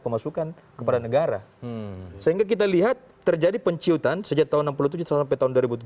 pemasukan kepada negara sehingga kita lihat terjadi penciutan sejak tahun enam puluh tujuh sampai tahun